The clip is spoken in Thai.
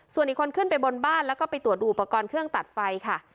ส่วนอีกคนขึ้นไปบนบ้านแล้วก็ไปตรวจดูอุปกรณ์เครื่องตัดไฟค่ะ